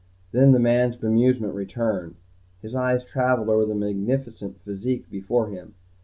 Then the man's bemusement returned. His eyes traveled over the magnificent physique before him.